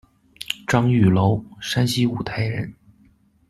张玉楼，山西五台人。